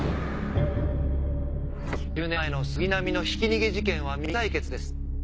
１０年前の杉並のひき逃げ事件は未解決です。